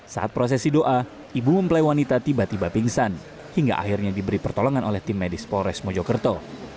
saat prosesi doa ibu mempelai wanita tiba tiba pingsan hingga akhirnya diberi pertolongan oleh tim medis polres mojokerto